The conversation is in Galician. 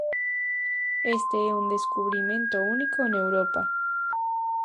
Este é un descubrimento único en Europa.